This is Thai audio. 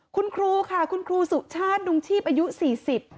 คุณครูค่ะคุณครูสุชาติดุงชีพอายุสี่สิบ